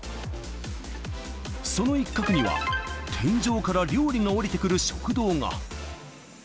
その一角には、天井から料理が降りてくる食堂が。